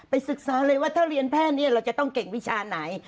ศึกษาเลยว่าถ้าเรียนแพทย์นี้เราจะต้องเก่งวิชาไหน